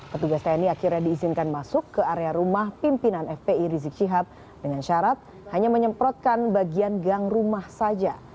petugas tni akhirnya diizinkan masuk ke area rumah pimpinan fpi rizik syihab dengan syarat hanya menyemprotkan bagian gang rumah saja